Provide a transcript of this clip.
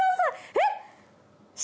えっ！